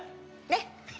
ねっ！